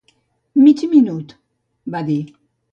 "Mig minut", va dir.